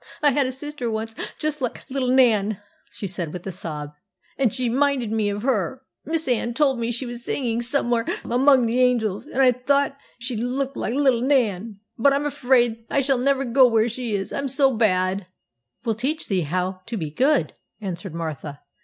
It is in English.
'I had a sister once, just like little Nan,' she said, with a sob, 'and she minded me of her. Miss Anne told me she was singing somewhere among the angels, and I thought she'd look like little Nan. But I'm afraid I shall never go where she is; I'm so bad.' 'We'll teach thee how to be good,' answered Martha.